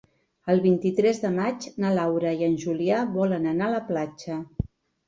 El vint-i-tres de maig na Laura i en Julià volen anar a la platja.